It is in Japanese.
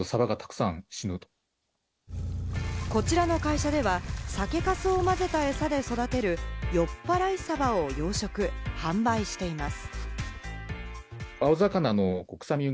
こちらの会社では酒かすを混ぜた餌で育てる、よっぱらいサバを養殖、販売しています。